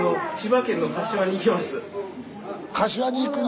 柏に行くの？